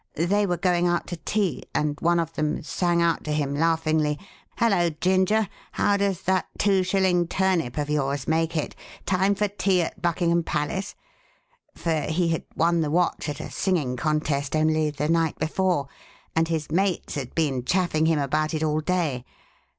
They were going out to tea; and one of them sang out to him laughingly, 'Hallo, Ginger, how does that two shilling turnip of yours make it? Time for tea at Buckingham Palace?' for he had won the watch at a singing contest only the night before, and his mates had been chaffing him about it all day.